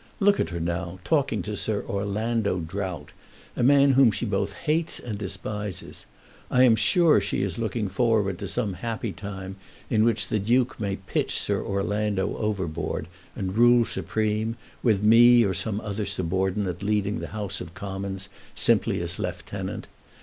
Look at her now talking to Sir Orlando Drought, a man whom she both hates and despises. I am sure she is looking forward to some happy time in which the Duke may pitch Sir Orlando overboard, and rule supreme, with me or some other subordinate leading the House of Commons simply as lieutenant.